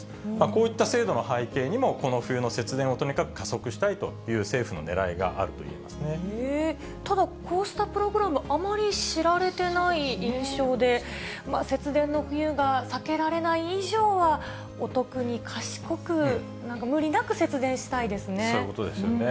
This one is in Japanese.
こういった制度の背景にも、この冬の節電をとにかく加速したいという政府のねらいがあるといただ、こうしたプログラム、あまり知られてない印象で、節電の冬が避けられない以上は、お得に賢く、無理なく節電したいですね。